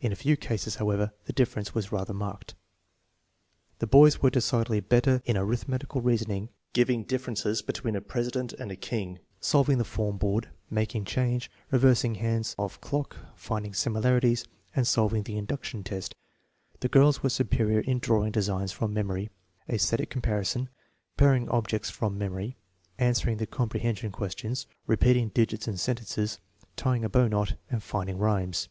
In a few cases, however, the difference was rather marked. The boys were decidedly better in arithmetical reason ing, giving differences between a president and a king, solv ing the form board, making change, reversing hands of clock, finding similarities, and solving the " induction test/' The girls were superior in drawing designs from memory, aesthetic comparison, comparing objects from memory, an swering the "comprehension questions," repeating digits and sentences, tying a bow knot, and finding rhymes.